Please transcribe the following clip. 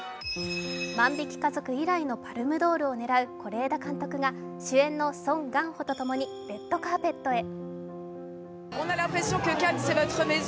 「万引き家族」以来のパルムドールを狙う是枝監督が主演のソン・ガンホと共にレッドカーペットへ。